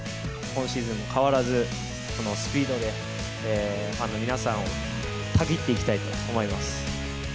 このシーズンも変わらず、このスピードでファンの皆さんをたぎっていきたいと思います。